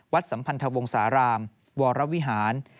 วัดสัมพัณธวงศารามยุทธวรวิหารยุทธ